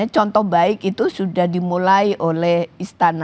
contoh baik itu sudah dimulai oleh istana